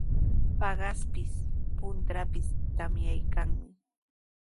Paqaspis, puntrawpis tamyaykanmi.